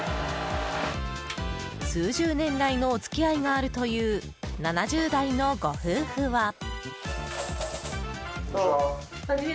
数十年来のお付き合いがあるという７０代のご夫婦は。